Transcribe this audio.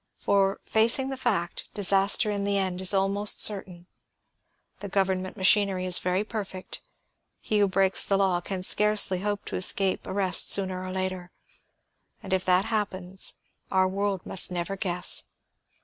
For, facing the fact, disaster in the end is almost certain. The government machinery is very perfect; he who breaks the law can scarcely hope to escape arrest sooner or later. And if that happens, our world must never guess.